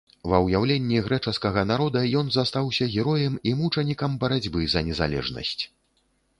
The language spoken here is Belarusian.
Ва ўяўленні грэчаскага народа ён застаўся героем і мучанікам барацьбы за незалежнасць.